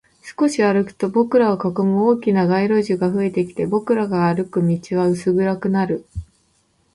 少し歩くと、僕らを囲む大きな街路樹が増えてきて、僕らが歩く道は薄暗くなる